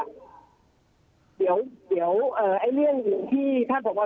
เดี๋ยวไอ้เรื่องที่ที่ท่านผมอธแหลง